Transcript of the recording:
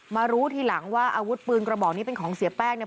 มารู้ทีหลังว่าอาวุธปืนกระบอกนี้เป็นของเสียแป้งเนี่ย